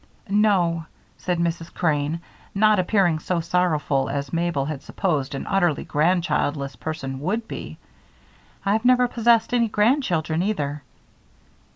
"No," said Mrs. Crane, not appearing so sorrowful as Mabel had supposed an utterly grandchildless person would look, "I've never possessed any grandchildren either."